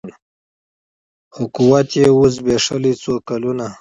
خو قوت یې وو زبېښلی څو کلونو